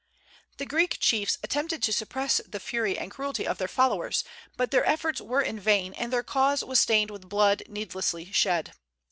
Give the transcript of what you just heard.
The Greek chiefs attempted to suppress the fury and cruelty of their followers; but their efforts were in vain, and their cause was stained with blood needlessly shed.